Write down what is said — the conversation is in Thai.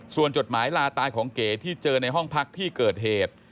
ส่วนจดหมายลาตายของเก๋ที่เจอในห้องพักที่เกิดเหตุ